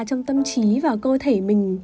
trong tâm trí và cơ thể mình